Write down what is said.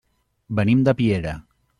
Venim de Piera.